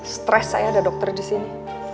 stres saya ada dokter disini